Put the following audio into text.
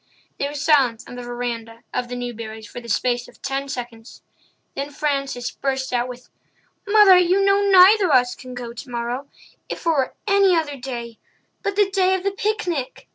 There was silence on the verandah of the Newburys for the space of ten seconds. Then Frances burst out with: "Mother, you know neither of us can go tomorrow. If it were any other day! But the day of the picnic!"